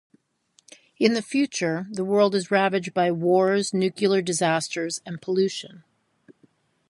In the future, the world is ravaged by wars, nuclear disasters and pollution.